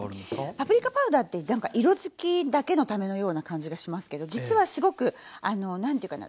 パプリカパウダーって何か色づきだけのためのような感じがしますけど実はすごく何て言うかな